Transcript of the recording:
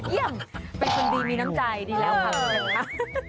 เยี่ยมเป็นคนดีมีน้ำใจดีแล้ว